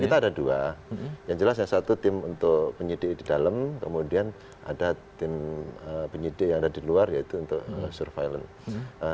kita ada dua yang jelas yang satu tim untuk penyidik di dalam kemudian ada tim penyidik yang ada di luar yaitu untuk surveillance